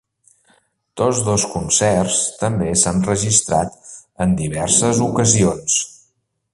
Tots dos concerts també s'han registrat en diverses ocasions.